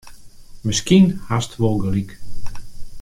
Miskien hast wol gelyk.